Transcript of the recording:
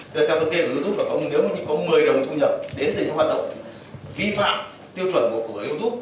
theo thống kê của youtube nếu có một mươi đồng thu nhập đến từ những hoạt động vi phạm tiêu chuẩn của youtube